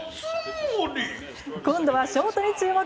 今度はショートに注目。